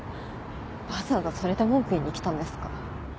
わざわざそれで文句言いに来たんですか？